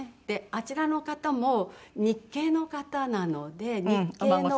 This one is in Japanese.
あちらの方も日系の方なので日系の。